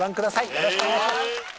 よろしくお願いします。